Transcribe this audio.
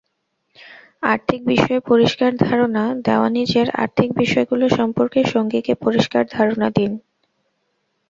আর্থিক বিষয়ে পরিষ্কার ধারণা দেওয়ানিজের আর্থিক বিষয়গুলো সম্পর্কে সঙ্গীকে পরিষ্কার ধারণা দিন।